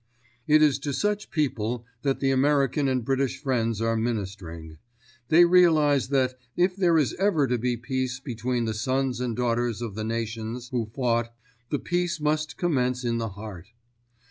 It is to such people that the American and British Friends are ministering. They realise that, if there is ever to be peace between the sons and daughters of the nations who fought, the peace must commence in the heart.